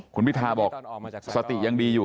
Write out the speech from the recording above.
คุณพิทาบอกสติยังดีอยู่